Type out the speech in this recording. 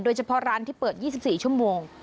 โดยเฉพาะร้านที่เปิด๒๔ชั่วโมง